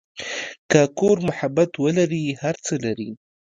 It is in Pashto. که کور محبت ولري، هر څه لري.